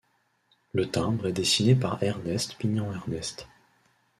Le timbre est dessiné par Ernest Pignon-Ernest.